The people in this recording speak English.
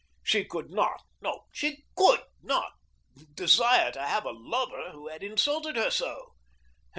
She could not, no, she COULD not, desire to have a lover who had insulted her so.